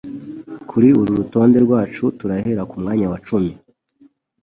Kuri uru rutonde rwacu turahera ku mwanya wa cumi